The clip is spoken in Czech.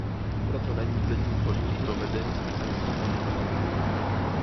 Proto není hliník vhodný pro vedení s mechanickým pohybem.